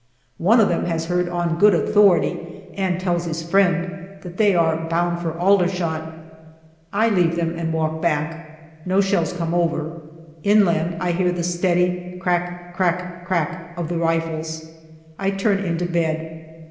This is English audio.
One of them has heard " on good authority/' and tells his friend, " that they are bound for Aldershot." I DECEMBER 293 leave them and walk back. No shells come over. Inland I hear the steady crack, crack, crack of the rifles. I turn into bed.